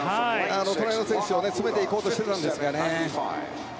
隣の選手を詰めていこうとしていたんですがね。